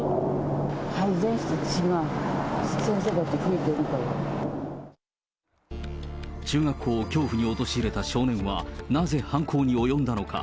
配膳室に血が、中学校を恐怖に陥れた少年は、なぜ犯行に及んだのか。